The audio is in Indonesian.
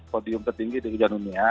podium tertinggi di dunia